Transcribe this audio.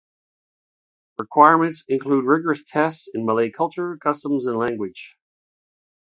Requirements include rigorous tests in Malay culture, customs, and language.